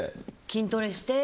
筋トレして。